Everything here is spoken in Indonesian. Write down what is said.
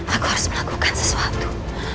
aku harus melakukan sesuatu